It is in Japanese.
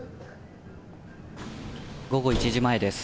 午後１時前です。